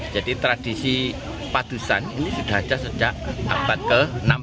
jadi tradisi padusan ini sudah ada sejak abad ke enam belas